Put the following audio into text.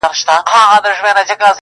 د سوځېدلو قلاګانو او ښارونو کوي-